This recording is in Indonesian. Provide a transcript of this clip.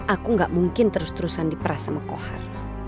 aku gak mungkin terus terusan diperas sama kohar